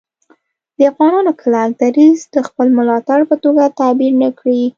د افغانانو کلک دریځ د خپل ملاتړ په توګه تعبیر نه کړي